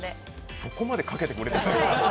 そこまでかけてくれてたの？